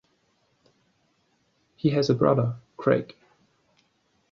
He has a brother, Craig.